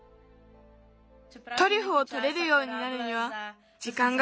トリュフをとれるようになるにはじかんがかかる。